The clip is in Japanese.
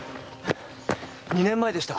２年前でした。